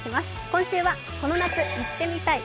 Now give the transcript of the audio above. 今週は「この夏いってみたい！